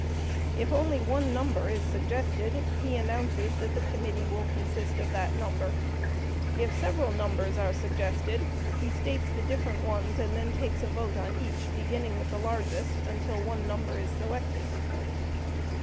If only one number is suggested, he announces that the committee will consist of that number; if several numbers are suggested, he states the different ones and then takes a vote on each, beginning with the largest, until one number is selected.